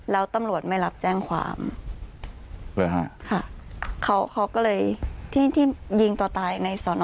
แล้วตำรวจไม่รับแจ้งความค่ะเขาก็เลยที่ยิงต่อตายในสน